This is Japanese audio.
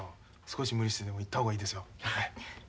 少し無理してでも行った方がいいですよ。